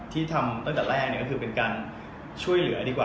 ที่ทำตั้งแต่แรกก็คือเป็นการช่วยเหลือดีกว่า